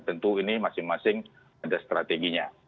tentu ini masing masing ada strateginya